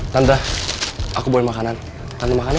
tante aku beli makanan tante makan ya